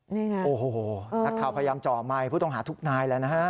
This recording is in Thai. นี่ไงโอ้โหนักข่าวพยายามจ่อไมค์ผู้ต้องหาทุกนายแล้วนะฮะ